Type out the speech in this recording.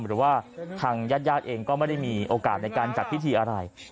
หรือว่าทางญาติญาติเองก็ไม่ได้มีโอกาสในการจัดพิธีอะไร